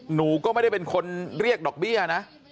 หนูก็ไม่ได้เป็นคนเรียกดอกเบี้ยนะ